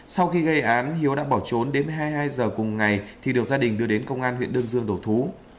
sau khi gây án hiếu đã bỏ trốn đến một mươi hai h cùng ngày thì được gia đình đưa đến công an huyện đơn dương đổ thú